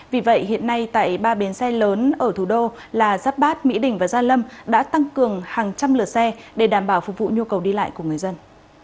vì vậy hiện nay tại ba bến xe lớn ở thủ đô là giáp bát mỹ đình và gia lâm đã tăng cường hàng trăm lửa xe để đảm bảo phục vụ nhu cầu đi lại của người dân